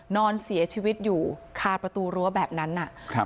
นอนเสียชีวิตอยู่คาประตูรั้วแบบนั้น